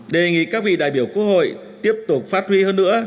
đề nghị các vị đại biểu quốc hội tiếp tục phát huy hơn nữa